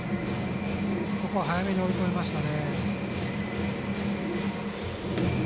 ここは、早めに追い込みましたね。